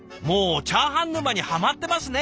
もうチャーハン沼にハマってますね。